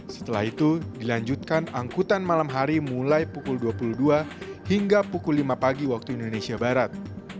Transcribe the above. setelah itu dilanjutkan angkutan malam hari mulai pukul dua puluh dua hingga pukul lima pagi waktu indonesia barat